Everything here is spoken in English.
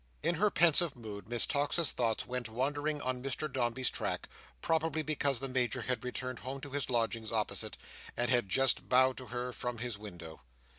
In her pensive mood, Miss Tox's thoughts went wandering on Mr Dombey's track; probably because the Major had returned home to his lodgings opposite, and had just bowed to her from his window.